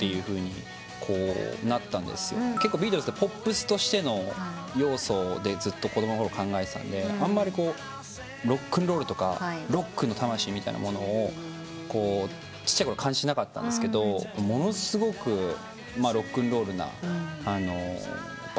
結構ビートルズってポップスとしての要素でずっと子供のころ考えてたんであんまりロックンロールとかロックの魂みたいなものをちっちゃいころ感じなかったんですけどものすごくロックンロールなバンドだし。